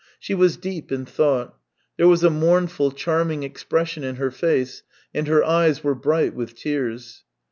She was deep in thought; there was a mournful, charming expression in her face, and her eyes were bright with tears.